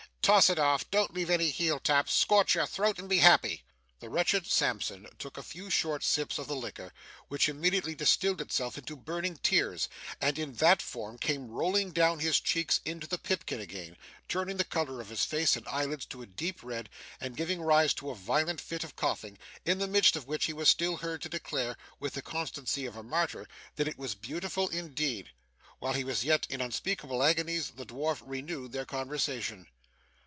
'Toss it off, don't leave any heeltap, scorch your throat and be happy!' The wretched Sampson took a few short sips of the liquor, which immediately distilled itself into burning tears, and in that form came rolling down his cheeks into the pipkin again, turning the colour of his face and eyelids to a deep red, and giving rise to a violent fit of coughing, in the midst of which he was still heard to declare, with the constancy of a martyr, that it was 'beautiful indeed!' While he was yet in unspeakable agonies, the dwarf renewed their conversation.